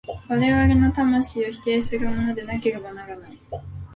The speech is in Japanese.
我々の魂を否定するものでなければならない。